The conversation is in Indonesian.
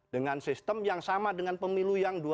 dengan sistem yang sama dengan pemilu yang dua ribu sembilan belas